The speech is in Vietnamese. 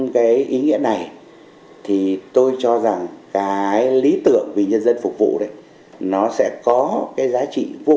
cái ý nghĩa này thì tôi cho rằng cái lý tưởng vì nhân dân phục vụ đấy nó sẽ có cái giá trị vô